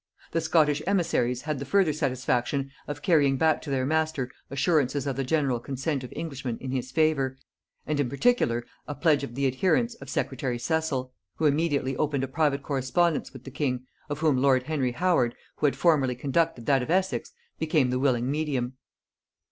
The Scottish emissaries had the further satisfaction of carrying back to their master assurances of the general consent of Englishmen in his favor, and in particular a pledge of the adherence of secretary Cecil, who immediately opened a private correspondence with the king, of which lord Henry Howard, who had formerly conducted that of Essex, became the willing medium.